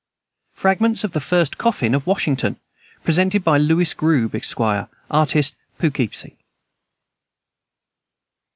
Fragments of the first coffin of Washington. Presented by Lewis Grube, Esq., artist, Poughkeepsie.